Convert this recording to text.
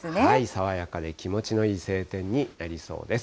爽やかで気持ちのいい晴天になりそうです。